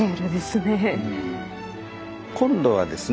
今度はですね